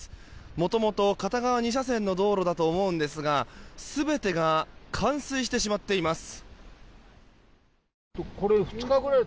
もともと片側２車線の道路だと思うんですが全てが冠水してしまっています。